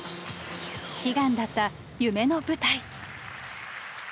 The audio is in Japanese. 悲願だった夢の舞台。